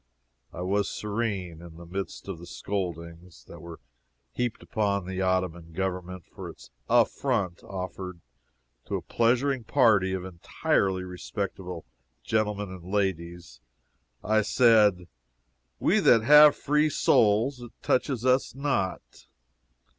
I was serene in the midst of the scoldings that were heaped upon the Ottoman government for its affront offered to a pleasuring party of entirely respectable gentlemen and ladies I said, "We that have free souls, it touches us not."